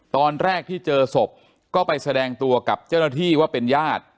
ตอนแรกที่เจอศพก็ไปแสดงตัวกับเจ้าหน้าที่ว่าเป็นญาติ